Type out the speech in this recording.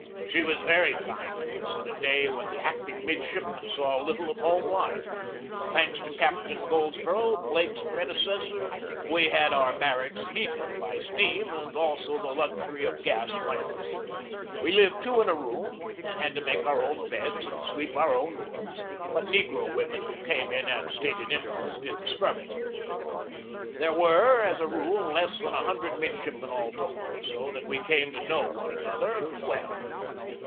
She was very kind to us in a day when the acting midshipmen saw little of home life. Thanks to Captain Goldsborough, Blake's predecessor, we had our barracks heated by steam and also the luxury of gas lamps. We lived two in a room and had to make our own beds and sweep our own rooms, but negro women who came in at stated intervals did the scrubbing. There were, as a rule, less than a hundred midshipmen all told; so that we came to know one another well.